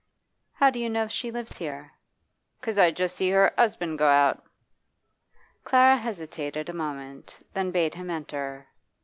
'How do you know she lives here?' ''Cause I just see her 'usband go out.' Clara hesitated a moment, then bade him enter.